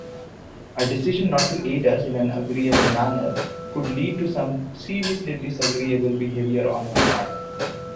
A decision not to aid us in an agreeable manner could lead to some seriously disagreeable behaviour on our part.